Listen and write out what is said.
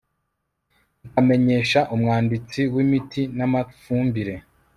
ikamenyesha umwanditsi w imiti n amafumbire